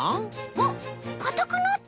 あっかたくなった！